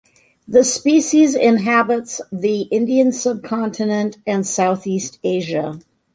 The species inhabits the Indian subcontinent and Southeast Asia.